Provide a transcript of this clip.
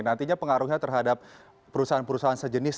nantinya pengaruhnya terhadap perusahaan perusahaan sejenis